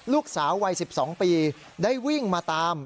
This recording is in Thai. ลูกสาววัย๑๒ปีได้วิ่งมาตาม